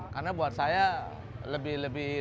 karena buat saya lebih